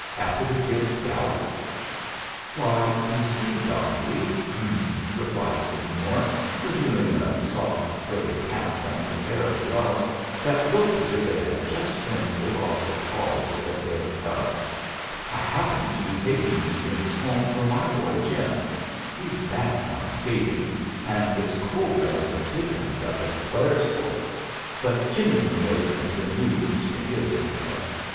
After the kid's scalp?" "Why, you see, Dobby," replied Seymour, revealing a soft, furry cap and a pair of gloves that looked as if they had just been pulled off the paws of a bear cub, "I happened to be taking these things home for my boy Jim he's daft on skating, and it's cold as the dickens up at Blairsport but Jimmie can wait until New Year's for his, I guess.